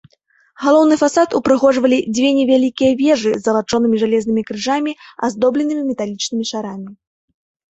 Галоўны фасад упрыгожвалі дзве невялікія вежы з залачонымі жалезнымі крыжамі, аздобленымі металічнымі шарамі.